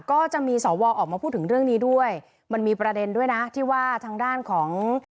ก็จะมีสวออกมาพูดถึงเรื่องนี้ด้วยมันมีประเด็นด้วยนะที่ว่าทางด้านของ